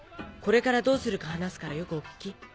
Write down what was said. これからどうするか話すからよくお聞き。